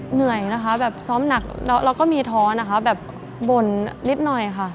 เหนื่อยนะคะแบบซ้อมหนักแล้วก็มีท้อนะคะแบบบ่นนิดหน่อยค่ะ